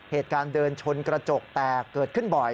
เหตุการณ์เดินชนกระจกแตกเกิดขึ้นบ่อย